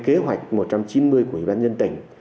kế hoạch một trăm chín mươi của ủy ban nhân tỉnh